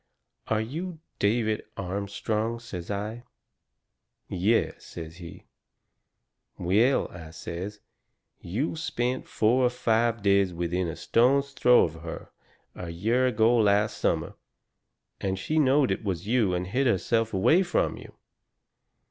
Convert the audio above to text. "Are you David Armstrong?" says I. "Yes," says he. "Well," I says, "you spent four or five days within a stone's throw of her a year ago last summer, and she knowed it was you and hid herself away from you."